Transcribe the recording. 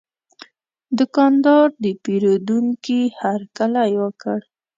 دوکاندار د پیرودونکي هرکلی وکړ.